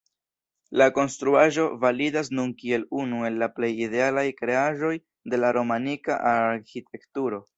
La konstruaĵo validas nun kiel unu el la plej idealaj kreaĵoj de romanika arĥitekturo.